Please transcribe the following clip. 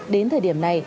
đến thời điểm này